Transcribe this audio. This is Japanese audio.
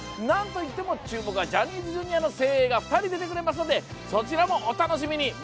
なんといっても注目はジャニーズＪｒ．の精鋭が２人出てくれますので、そちらもお楽しみに。